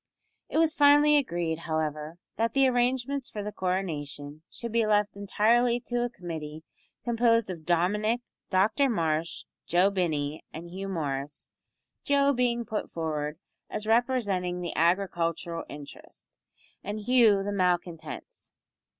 It was finally agreed, however, that the arrangements for the coronation should be left entirely to a committee composed of Dominick, Dr Marsh, Joe Binney, and Hugh Morris Joe being put forward as representing the agricultural interest, and Hugh the malcontents.